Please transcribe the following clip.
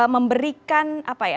memberikan apa ya